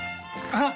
あっ。